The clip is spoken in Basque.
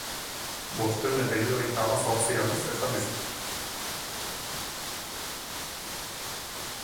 Bostehun eta hirurogeita hamazortzi aldiz esan dizut.